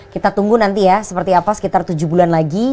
kita tunggu nanti ya seperti apa sekitar tujuh bulan lagi